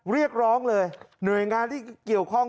เรียกร้องเลยหน่วยงานที่เกี่ยวข้อง